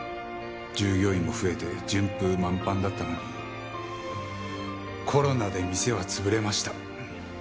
従業員も増えて順風満帆だったのにコロナで店は潰れました。